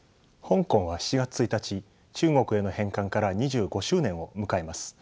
香港は７月１日中国への返還から２５周年を迎えます。